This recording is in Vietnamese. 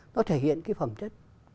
nó thể hiện cái phẩm chất